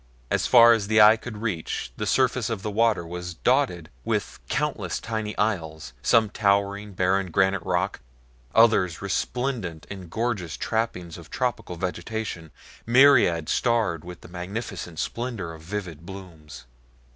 As far as the eye could reach the surface of the water was dotted with countless tiny isles some of towering, barren, granitic rock others resplendent in gorgeous trappings of tropical vegetation, myriad starred with the magnificent splendor of vivid blooms.